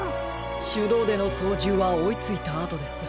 しゅどうでのそうじゅうはおいついたあとです。